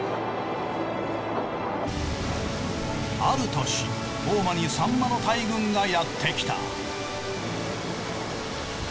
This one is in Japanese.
ある年大間にサンマの大群がやってきた。